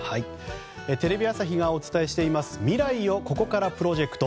テレビ朝日がお伝えしています未来をここからプロジェクト。